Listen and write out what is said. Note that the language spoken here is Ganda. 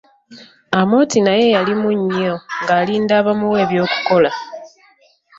Amooti naye yalimu nnyo, ng'alinda abamuwa eby'okukola.